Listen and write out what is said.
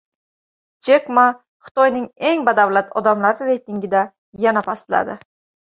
Jek Ma Xitoyning eng badavlat odamlari reytingida yana pastladi